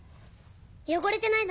汚れてないの